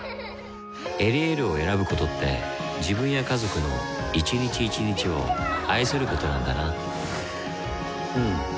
「エリエール」を選ぶことって自分や家族の一日一日を愛することなんだなうん。